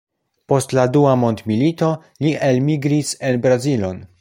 Post la dua mondmilito li elmigris en Brazilon.